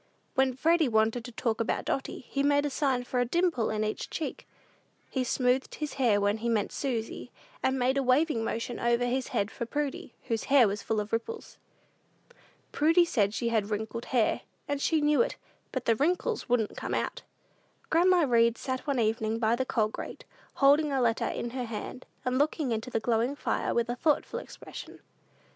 When Freddy wanted to talk about Dotty, he made a sign for a dimple in each cheek. He smoothed his hair when he meant Susy, and made a waving motion over his head for Prudy, whose hair was full of ripples. Prudy said she had wrinkled hair, and she knew it; but the wrinkles "wouldn't come out." Grandma Read sat one evening by the coal grate, holding a letter in her hand, and looking into the glowing fire with a thoughtful expression.